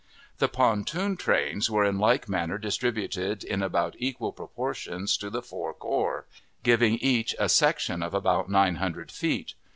The pontoon trains were in like manner distributed in about equal proportions to the four corps, giving each a section of about nine hundred feet.